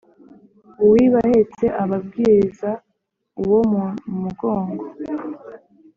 Uwiba ahetse aba abwiriza uwo mu mugongo.